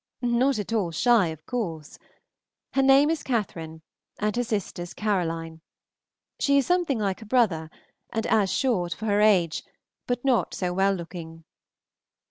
Not at all shy, of course. Her name is Catherine, and her sister's Caroline. She is something like her brother, and as short for her age, but not so well looking.